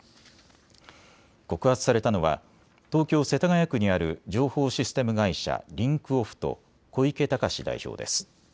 告発されたのは東京世田谷区にある情報システム会社、リンクオフと小池隆志代表です。